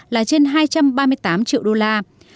là trên hai trăm ba mươi tám triệu đô la